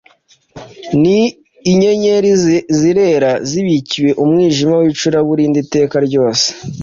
ni inyenyeri zizerera zibikiwe umwijima w’icuraburindi iteka ryose